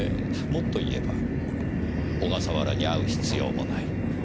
もっと言えば小笠原に会う必要もない。